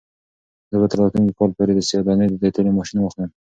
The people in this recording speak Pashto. زه به تر راتلونکي کال پورې د سیاه دانې د تېلو ماشین واخلم.